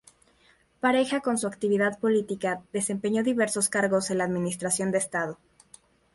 Pareja con su actividad política, desempeñó diversos cargos en la administración de Estado.